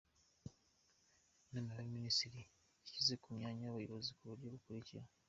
Inama y’Abaminisitiri yashyize mu myanya Abayobozi ku buryo bukurikira :